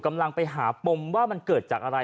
กำลังไปหาปมว่ามันเกิดจากอะไร